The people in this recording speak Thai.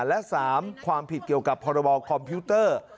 และ๓ความผิดเกี่ยวกับพรบคอมพิวเตอร์